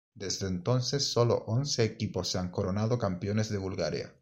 Desde entonces, sólo once equipos se han coronado campeones de Bulgaria.